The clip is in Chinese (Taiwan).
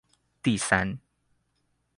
第三